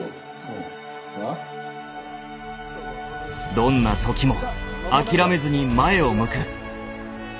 どんな時も諦めずに前を向く。